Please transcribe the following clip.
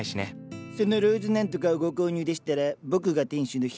そのローズ何とかをご購入でしたら僕が店主の。